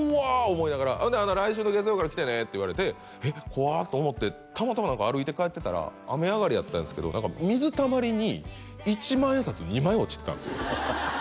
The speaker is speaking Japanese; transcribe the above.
思いながら「ほんなら来週の月曜から来てね」って言われてえっ怖と思ってたまたま歩いて帰ってたら雨上がりやったんですけど何か水たまりに１万円札２枚落ちてたんですよ